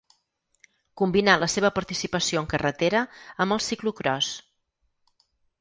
Combinà la seva participació en carretera amb el ciclocròs.